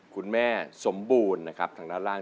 คุณแม่สมบูรณ์นะครับทางด้านล่าง